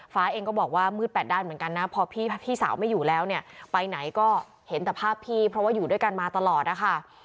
ฟ้าเองก็บอกว่ามืดแปดด้านเหมือนกันนะพอพี่สาวไม่อยู่แล้วเนี่ยไปไหนก็เห็นแต่ภาพพี่เพราะว่าอยู่ด้วยกันมาตลอดนะคะ